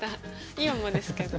今もですけど。